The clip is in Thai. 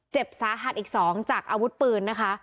เจ็บสาหัสอีก๒จากอาวุธปืนนะคะ